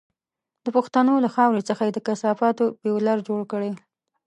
د پښتنو له خاورې څخه یې د کثافاتو بيولر جوړ کړی.